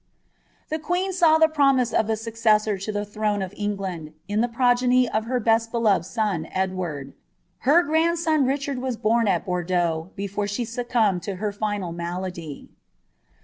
The queen saw the promise of a successor to the throne of England, the progeny of her best beloved son Edward. Her grandson Richard ■8 bom at Bordeaux, before she succumbed to her &tal malady.